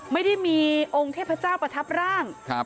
ไม่ได้มีองค์เทพเจ้าประทับร่าง